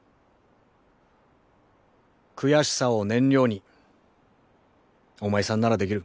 悔しさを燃料におまいさんならできる。